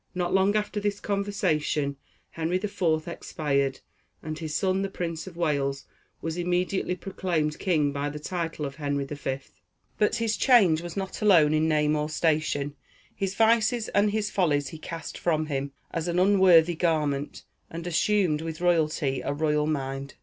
Not long after this conversation Henry IV. expired, and his son, the Prince of Wales, was immediately proclaimed king by the title of Henry V. But his change was not alone in name or station; his vices and his follies he cast from him, as an unworthy garment, and assumed with royalty a royal mind.